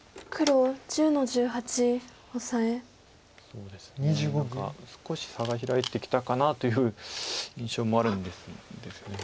そうですね何か少し差が開いてきたかなという印象もあるんですよね。